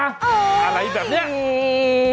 เอออะไรแบบนี้